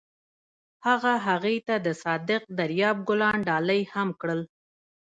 هغه هغې ته د صادق دریاب ګلان ډالۍ هم کړل.